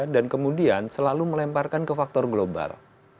dan kemudian selalu melemparkan ke faktor global